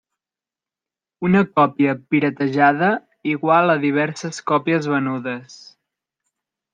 Una còpia “piratejada” igual a diverses còpies venudes.